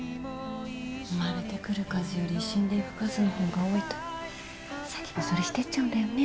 生まれてくる数より死んでいく数のほうが多いと先細りしていっちゃうんだよね。